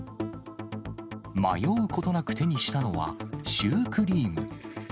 迷うことなく手にしたのは、シュークリーム。